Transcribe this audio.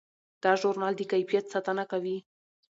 دا ژورنال د کیفیت ساتنه کوي.